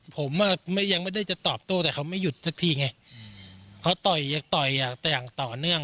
ผมอ่ะไม่ยังไม่ได้จะตอบโต้แต่เขาไม่หยุดสักทีไงเขาต่อยอยากต่อยอ่ะแต่อย่างต่อเนื่อง